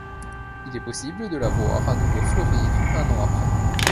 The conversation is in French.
Il est possible de la voir à nouveau fleurir un an après.